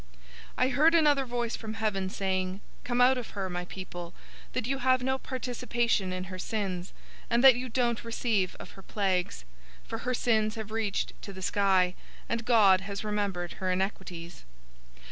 018:004 I heard another voice from heaven, saying, "Come out of her, my people, that you have no participation in her sins, and that you don't receive of her plagues, 018:005 for her sins have reached to the sky, and God has remembered her iniquities.